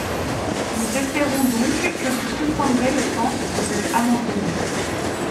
Nous espérons donc que vous comprendrez le sens de cet amendement.